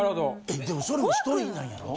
えでもそれも１人なんやろ？